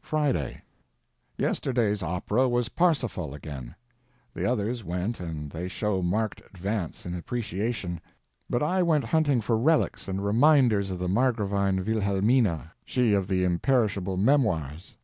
FRIDAY.—Yesterday's opera was "Parsifal" again. The others went and they show marked advance in appreciation; but I went hunting for relics and reminders of the Margravine Wilhelmina, she of the imperishable "Memoirs."